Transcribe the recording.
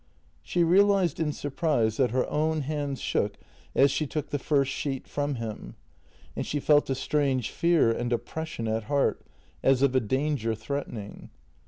She realized in surprise that her own hands shook as she took the first sheet from him, and she felt a strange fear and oppression at heart, as of a danger threatening.